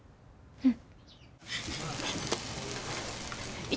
うん。